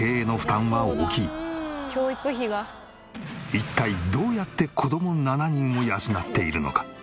一体どうやって子供７人を養っているのか？